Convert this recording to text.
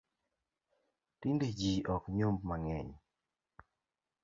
Tinde jii ok nyomb mangeny